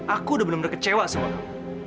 aku udah bener bener kecewa sama aku